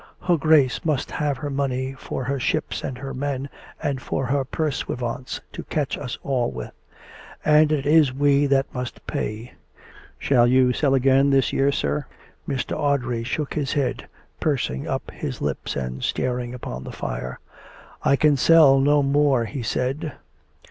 Her Grace must have her money for her ships and her men, and for her pursuivants to catch us all with ; and it is we that must pay. Shall you sell again this year, sir? " Mr. Audrey shook his head, pursing up his lips and staring upon the fire. " I can sell no more," he said.